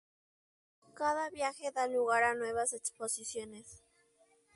Cada viaje da lugar a nuevas exposiciones.